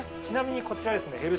ちなみにこちらですね